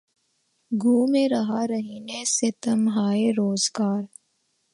گو میں رہا رہینِ ستمہائے روزگار